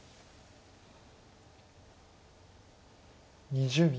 ２０秒。